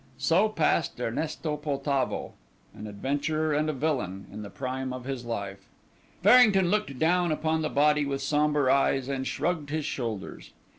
So passed Ernesto Poltavo, an adventurer and a villain, in the prime of his life. Farrington looked down upon the body with sombre eyes and shrugged his shoulders.